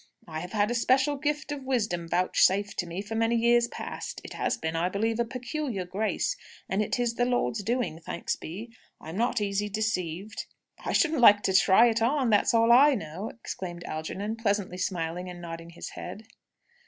"I have had a special gift of wisdom vouchsafed to me for many years past. It has been, I believe, a peculiar grace, and it is the Lord's doing, thanks be! I am not easy deceived." "I shouldn't like to try it on, that's all I know!" exclaimed Algernon, pleasantly smiling and nodding his head.